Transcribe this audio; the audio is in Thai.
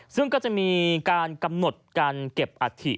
ซึ่งก็จะมีการกำหนดการเก็บอัฐิ